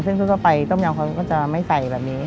ซึ่งทั่วไปต้มยำเขาก็จะไม่ใส่แบบนี้